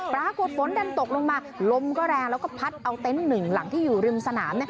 ปรากฏฝนดันตกลงมาลมก็แรงแล้วก็พัดเอาเต็นต์หนึ่งหลังที่อยู่ริมสนาม